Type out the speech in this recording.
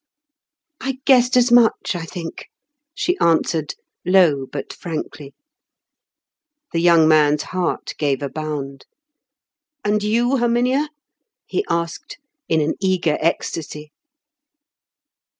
"I guessed as much, I think," she answered, low but frankly. The young man's heart gave a bound. "And you, Herminia?" he asked, in an eager ecstasy.